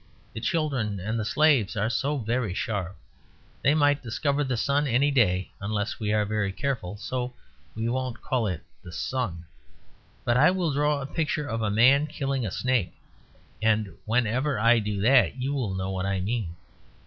The children and the slaves are so very sharp. They might discover the sun any day, unless we are very careful. So we won't call it 'the sun,' but I will draw a picture of a man killing a snake; and whenever I do that you will know what I mean.